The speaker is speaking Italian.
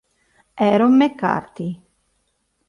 Aaron McCarthy